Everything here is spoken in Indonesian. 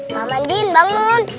pak manjin bangun